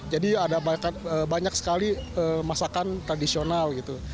jadi ada banyak sekali masakan tradisional gitu